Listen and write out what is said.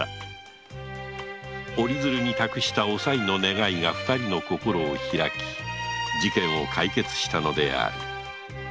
折り鶴に託したおさいの願いが二人の心を開き事件を解決したのである